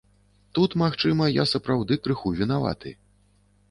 Тут, магчыма, я сапраўды крыху вінаваты.